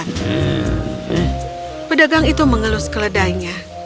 kita akan menjualnya